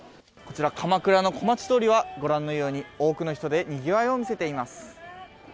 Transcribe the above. こちら鎌倉の小町通はご覧のように多くの人でにぎわいを見せています。